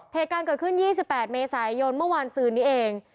เหตุการณ์เกิดขึ้น๒๘เมษายนเมื่อวานซืนนี้เอง